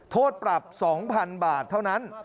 โทษปรับ๒๐๐๐บาทเท่านั้น